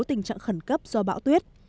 tình trạng khẩn cấp do bão tuyết